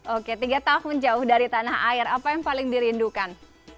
oke tiga tahun jauh dari tanah air apa yang paling dirindukan